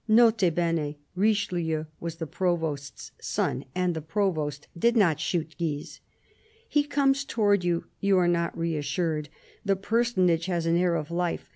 [N.B.— Richelieu was the Provost's son, and the Provost did not shoot Guise.] " He comes towards you. You are not reassured. The personage has an air of life.